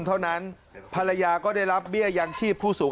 เท่านั้นภรรยาก็ได้รับเบี้ยยังชีพผู้สูง